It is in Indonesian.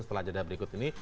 setelah jadwal berikut ini